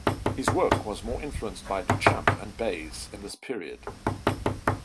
His work was more influenced by Duchamp and Beuys in this period.